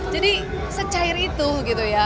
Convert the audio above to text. jadi secair itu gitu ya